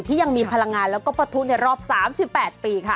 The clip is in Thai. ยังมีพลังงานแล้วก็ประทุในรอบ๓๘ปีค่ะ